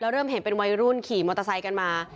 เริ่มเห็นเป็นวัยรุ่นขี่มอเตอร์ไซค์กันมา